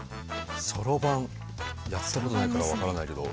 そろばんやったことないから分からないけど。